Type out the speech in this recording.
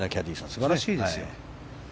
素晴らしいですよ。